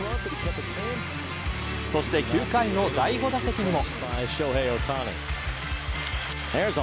そして９回の第５打席にも。